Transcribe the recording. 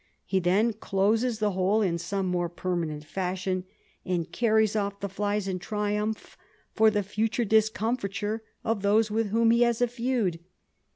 He then closes the hole in some more permanent fashion, and carries off the flies in triumph for the future discomfiture of those with whom he has a feud.